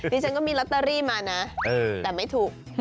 ฉันก็มีลอตเตอรี่มานะแต่ไม่ถูก